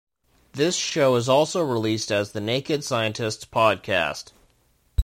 This show is also released as the Naked Scientists Podcast.